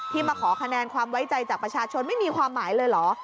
มาขอคะแนนความไว้ใจจากประชาชนไม่มีความหมายเลยเหรอ